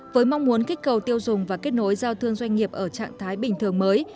với mong muốn kích cầu tiêu dùng và kết nối giao thương doanh nghiệp ở trạng thái bình thường mới